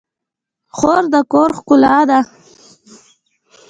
خور د کور ښکلا ده.